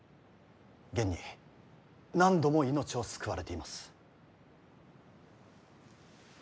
現に何度も命を救われています。